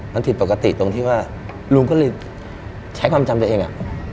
มันผิดปกติตรงที่ว่าลุงก็เลยใช้ความจำตัวเอง